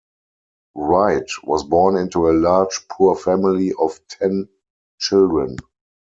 Wright was born into a large poor family of ten children.